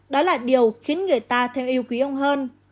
đó là điều khiến người ta thêm yêu quý ông hơn